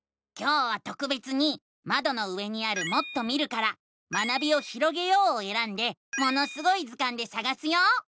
今日はとくべつにまどの上にある「もっと見る」から「学びをひろげよう」をえらんで「ものすごい図鑑」でさがすよ。